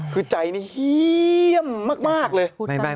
คือใจนี้เยี่ยมมากเลย